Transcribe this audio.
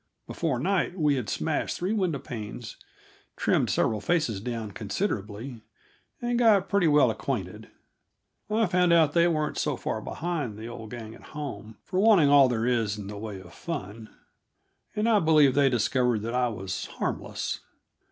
Before night we had smashed three window panes, trimmed several faces down considerably, and got pretty well acquainted. I found out that they weren't so far behind the old gang at home for wanting all there is in the way of fun, and I believe they discovered that I was harmless.